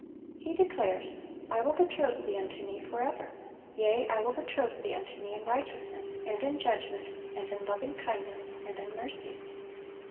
He declares, "I will betroth thee unto Me forever; yea, I will betroth thee unto Me in righteousness, and in judgment, and in loving kindness, and in mercies."